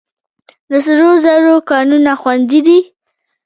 د سرو زرو کانونه خوندي دي؟